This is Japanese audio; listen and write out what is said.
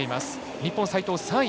日本、齋藤は３位。